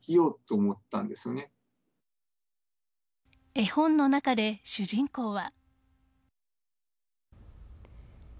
絵本の中で主人公は。